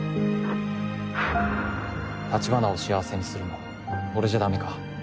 橘を幸せにするの俺じゃダメか？